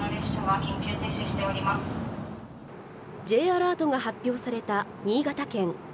Ｊアラートが発表された新潟県。